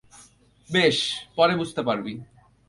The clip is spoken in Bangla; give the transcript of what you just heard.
বেশ, পরে বুঝতে পারবি।